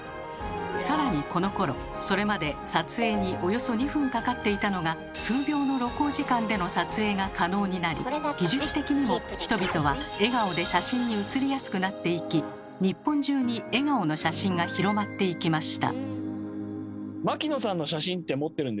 更にこのころそれまで撮影におよそ２分かかっていたのが数秒の露光時間での撮影が可能になり技術的にも人々は笑顔で写真に写りやすくなっていき日本中に笑顔の写真が広まっていきました。